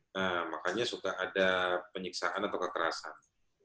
nah makanya suka ada penyiksaan atau kekerasan